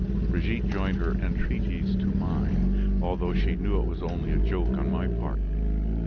Brigitte joined her entreaties to mine, although she knew it was only a joke on my part.